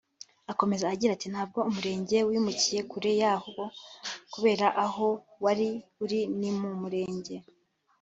Akomeza agira ati “Ntabwo umurenge wimukiye kure yabo kubera ko aho wari uri ni mu murenge